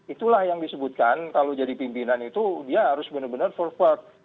itulah yang disebutkan kalau jadi pimpinan itu dia harus benar benar forward